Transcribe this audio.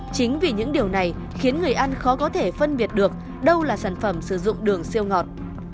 chính vì những điều này khiến người ăn khó có thể phân biệt được đâu là sản phẩm sử dụng đường siêu ngọt